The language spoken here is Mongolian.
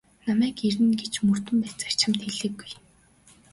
Намайг ирнэ гэж мөрдөн байцаагч чамд хэлээгүй.